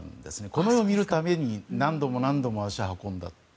この絵を見るために何度も何度も足を運んだ。